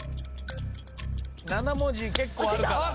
７文字結構あるかも。